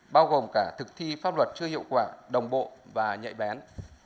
bao gồm cả thực thi pháp luật chưa hiệu quả đồng bộ và nhạy bén